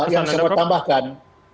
yang kedua yang saya mau tambahkan